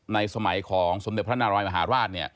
สมัยของสมเด็จพระนารายมหาราช